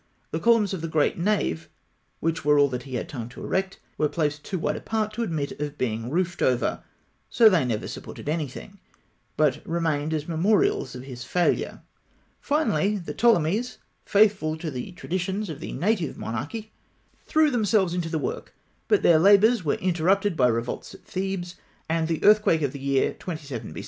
The columns of the great nave, which were all that he had time to erect, were placed too wide apart to admit of being roofed over; so they never supported anything, but remained as memorials of his failure. Finally, the Ptolemies, faithful to the traditions of the native monarchy, threw themselves into the work; but their labours were interrupted by revolts at Thebes, and the earthquake of the year 27 B.